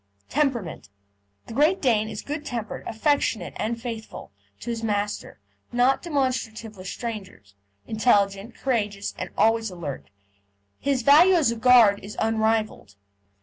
TEMPERAMENT The Great Dane is good tempered, affectionate, and faithful to his master, not demonstrative with strangers; intelligent, courageous, and always alert. His value as a guard is unrivalled.